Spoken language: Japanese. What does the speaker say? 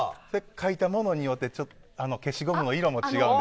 書いたものによって消しゴムの色も違うので。